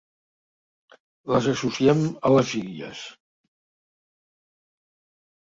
Les associem a les Illes.